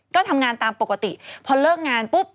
ก็ทำงานตามปกติพอเลิกงานปุ๊บ